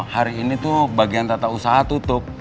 hari ini tuh bagian tata usaha tutup